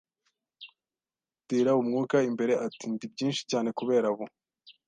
Tera Umwuka imbere ati Ndi byinshi cyane kubera bo